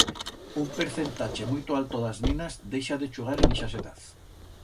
Un percentache muito alto d'as ninas deixa de chugar en ixas edaz.